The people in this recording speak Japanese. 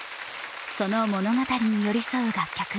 その物語に寄り添う楽曲